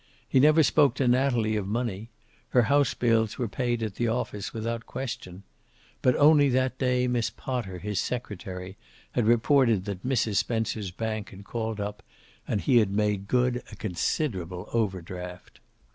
He never spoke to Natalie of money. Her house bills were paid at the office without question. But only that day Miss Potter, his secretary, had reported that Mrs. Spencer's bank had called up and he had made good a considerable overdraft.